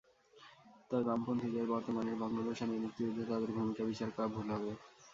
তবে বামপন্থীদের বর্তমানের ভগ্নদশা দিয়ে মুক্তিযুদ্ধে তাদের ভূমিকা বিচার করা ভুল হবে।